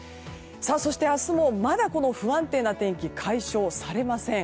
そして、明日もこの不安定な天気が解消されません。